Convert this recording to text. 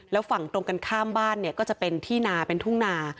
แล้วฝั่งตรงกันข้ามบ้านเนี่ยก็จะเป็นที่นาเป็นทุ่งนา